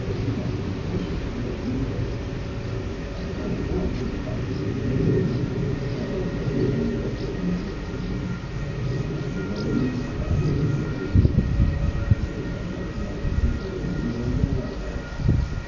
"Without a soul to speak to." "I shan't want anybody to speak to. I shall take with me just a few books to read. I wonder whether Mrs Baggett would go with me. She can't have much more to keep her in England than I have."